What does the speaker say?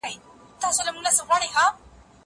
هغه وويل چي اوبه څښل ضروري دي!